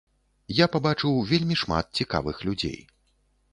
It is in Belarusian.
Я пабачыў вельмі шмат цікавых людзей.